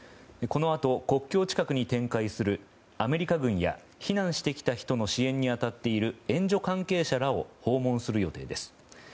このあと国境近くに展開するアメリカ軍や、避難してきた人の支援に当たっている援助関係者らを訪問する予定です。